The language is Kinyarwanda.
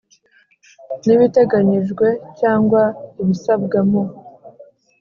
n ibiteganyijwe cyangwa ibisabwa mu